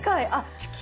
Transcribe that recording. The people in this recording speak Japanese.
地球。